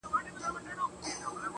ستا د سوځلي زړه ايرو ته چي سجده وکړه,